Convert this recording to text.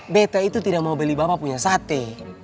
bete itu tidak mau beli bapak punya sate